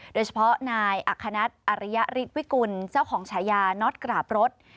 โดยเฉพาะนายอัคคณัฐอริยฤทธิวิกุลเจ้าของฉายาน็อตกราบรถ